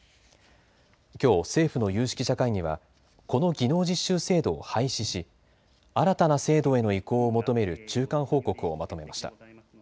きょう政府の有識者会議はこの技能実習制度を廃止し新たな制度への移行を求める中間報告をまとめました。